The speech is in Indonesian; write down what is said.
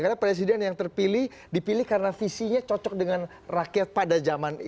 karena presiden yang terpilih dipilih karena visinya cocok dengan rakyat pada zaman itu